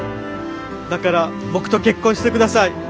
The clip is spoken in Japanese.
だから僕と結婚してください。